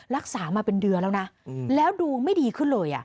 รักษามาเป็นเดือนแล้วนะแล้วดูไม่ดีขึ้นเลย